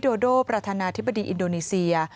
โดประธานาธิบดีอินโดนีเซีย